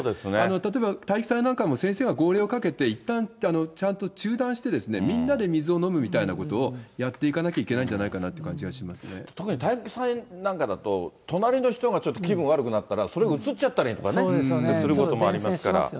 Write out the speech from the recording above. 例えば、体育祭なんかも先生が号令をかけて、いったんちゃんと中断して、みんなで水を飲むみたいなことをやっていかなきゃいけないんじゃ特に、体育祭なんかだと、隣の人がちょっと気分悪くなったら、それうつっちゃったりということもありますから。